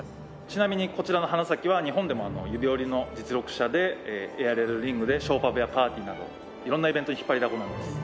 ちなみにこちらの花咲は日本でも指折りの実力者でエアリアルリングでショーパブやパーティーなど色んなイベントに引っ張りだこなんです。